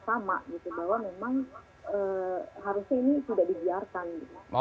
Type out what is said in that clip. bahwa memang harusnya ini sudah dibiarkan